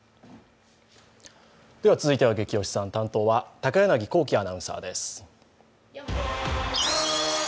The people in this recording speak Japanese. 続いては「ゲキ推しさん」担当は高柳光希アナウンサーです。